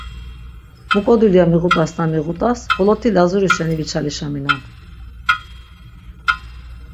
Muǩo dulya miğut̆asna miğut̆as xoloti Lazuri şeni viçalişaminon.